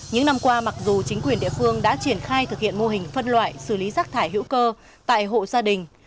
những năm qua mặc dù chính quyền địa phương đã triển khai thực hiện mô hình phân loại xử lý rác thải hữu cơ tại hộ gia đình